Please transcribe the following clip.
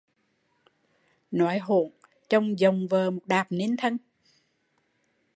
Nói hỗn, chồng dộng vợ một đạp nên thân